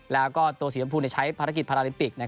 แล้วก็ตัวสีชมพูใช้ภารกิจพาราลิมปิก